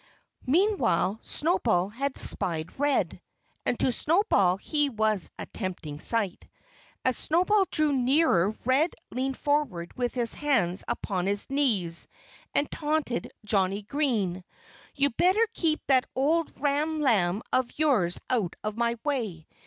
Meanwhile Snowball had spied Red. And to Snowball he was a tempting sight. As Snowball drew nearer Red leaned forward with his hands upon his knees and taunted Johnnie Green: "You'd better keep that ole ram lamb of yours out of my way!